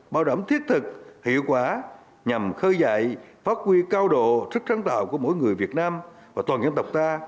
bao đảm thiết thực hiệu quả nhằm khơi dạy phát quy cao độ sức sáng tạo của mỗi người việt nam và toàn dân tộc ta